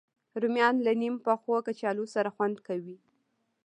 رومیان له نیم پخو کچالو سره خوند کوي